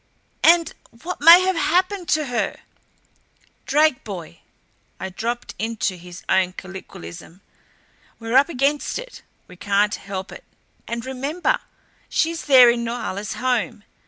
And what may have HAPPENED to her?" "Drake, boy" I dropped into his own colloquialism "we're up against it. We can't help it. And remember she's there in Norhala's home.